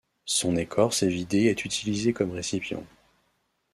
Son écorce évidée est utilisée comme récipient.